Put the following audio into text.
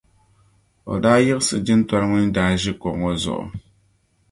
O daa yiɣisi jintɔra ŋun daa ʒi kuɣu ŋɔ zuɣu..